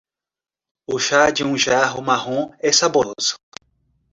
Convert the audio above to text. O chá de um jarro marrom é saboroso.